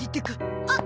あっ！